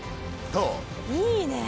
いいねえ。